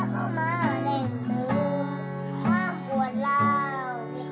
คุณไม่เอาตามหาไปยัง